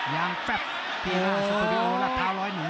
ยางแป๊บสตูดิโอรักเท้าร้อยหนู